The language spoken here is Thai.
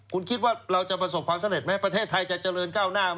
คุณคิดว่าเราจะประสบความสำเร็จไหมประเทศไทยจะเจริญก้าวหน้าไหม